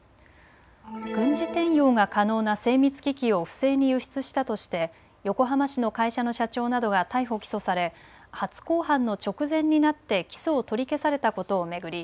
軍事転用が可能な精密機器を不正に輸出したとして横浜市の会社の社長などが逮捕・起訴され初公判の直前になって起訴を取り消されたことを巡り